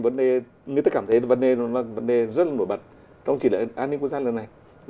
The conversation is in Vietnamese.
vấn đề nếu tức cảm thấy vấn đề rất là nổi bật trong chỉ đại an ninh quốc gia lần này